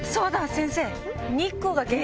先生。